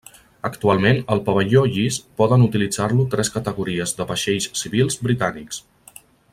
Actualment el pavelló llis poden utilitzar-lo tres categories de vaixells civils britànics.